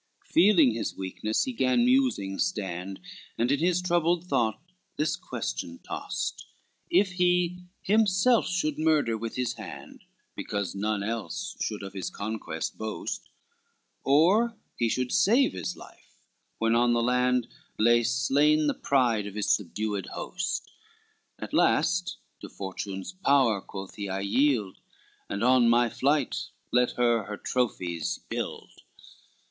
XCVIII Feeling his weakness, he gan musing stand, And in his troubled thought this question tossed, If he himself should murder with his hand, Because none else should of his conquest boast, Or he should save his life, when on the land Lay slain the pride of his subdued host, "At last to fortune's power," quoth he, "I yield, And on my flight let her her trophies build.